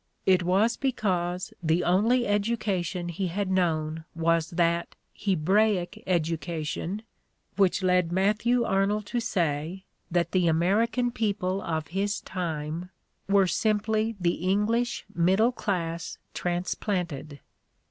It' was because the only education he had known was that "Hebraic" education which led Mat thew Arnold to say that the American people of his time were simply the English middle class transplanted.